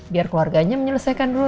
biar keluarganya menyelesaikan dulu